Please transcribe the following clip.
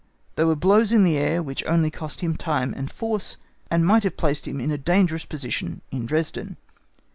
They were blows in the air which only cost him time and force, and might have placed him in a dangerous position in Dresden.